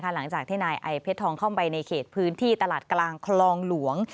หลังจากที่นายไอเพชรทองเข้าไปในเขตพื้นที่ตลาดกลางคลองหลวง